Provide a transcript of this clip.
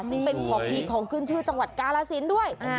ซึ่งเป็นของดีของขึ้นชื่อจังหวัดกาลสินด้วย